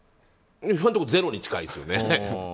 今のところゼロに近いですね。